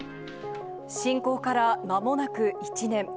侵攻からまもなく１年。